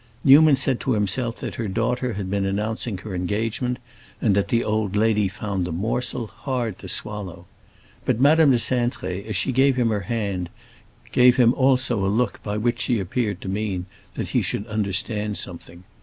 Newman said to himself that her daughter had been announcing her engagement and that the old lady found the morsel hard to swallow. But Madame de Cintré, as she gave him her hand gave him also a look by which she appeared to mean that he should understand something.